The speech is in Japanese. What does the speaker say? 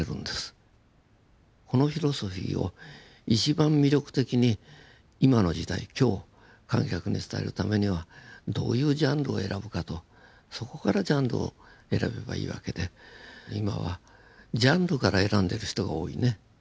このフィロソフィーを一番魅力的に今の時代今日観客に伝えるためにはどういうジャンルを選ぶかとそこからジャンルを選べばいいわけで今はジャンルから選んでる人が多いね。